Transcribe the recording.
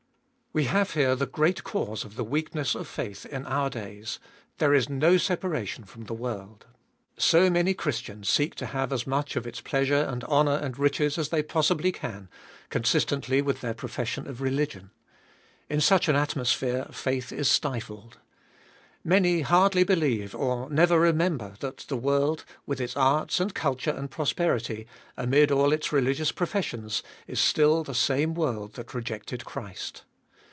We have here the great cause of the weakness of faith in our days. There is no separation from the world. So many Chris tians seek to have as much of its pleasure and honour and riches as they possibly can, consistently with their profession of religion. In such an atmosphere faith is stifled. Many hardly believe, or never remember, that the world, with its arts and culture and prosperity, amid all its religious professions, is still the same world that rejected Christ.